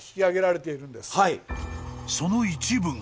［その一部が］